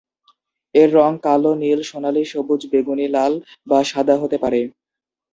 এর রঙ কালো, নীল, সোনালী, সবুজ, বেগুনি-লাল, বা সাদা হতে পারে।